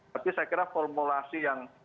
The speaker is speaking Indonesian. tapi saya kira formulasi yang